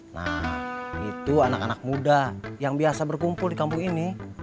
nah itu anak anak muda yang biasa berkumpul di kampung ini